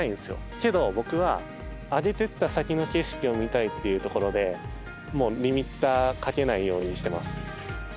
けど僕は、上げてった先の景色を見たいというところでリミッターをかけないようにしています。